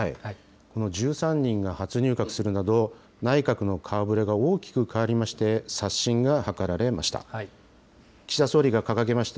１３人が初入閣するなど、内閣の顔ぶれが大きく変わりまして、刷新が図られました。